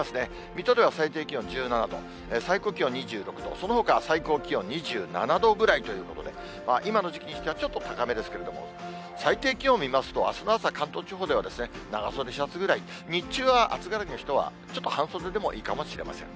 水戸では最低気温１７度、最高気温２６度、そのほかは最高気温２７度ぐらいということで、今の時期にしては、ちょっと高めですけれども、最低気温見ますと、あすの朝、関東地方では長袖シャツぐらい、日中は暑がりの人は、ちょっと半袖でもいいかもしれません。